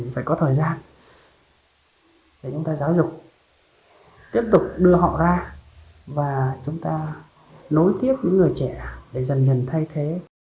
phải có thời gian để chúng ta giáo dục tiếp tục đưa họ ra và chúng ta nối tiếp những người trẻ để dần dần thay thế